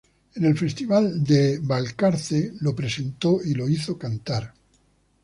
En el festival de Balcarce lo presentó y lo hizo cantar.